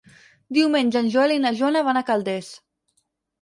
Diumenge en Joel i na Joana van a Calders.